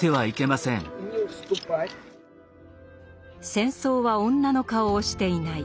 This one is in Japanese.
「戦争は女の顔をしていない」